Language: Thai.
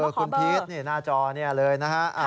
ขอเบอร์คุณพีชหน้าจอเลยนะคะ